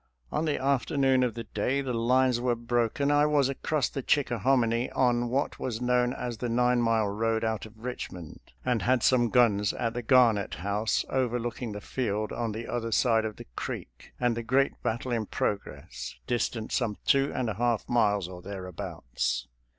On the afternoon of the day the lines were broken I was across the Chickahominy on what was known as the Nine Mile road out of Richmond, and had some guns at the Garnett House overlooking the field on the other side of the creek, and the great battle in progress, distant some two and a half miles or thereabouts.